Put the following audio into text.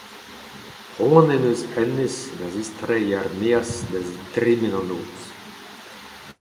C’hoant en deus hennezh da zistreiñ er-maez da dremen an noz.